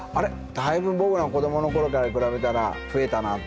だいぶ僕らの子どもの頃から比べたら増えたな。